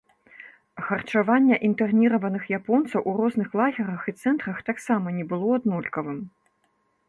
Харчаванне інтэрніраваных японцаў у розных лагерах і цэнтрах таксама не было аднолькавым.